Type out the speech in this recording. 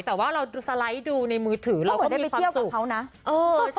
แต่ว่าเราสไลด์ดูในมือถือเราก็มีความสุข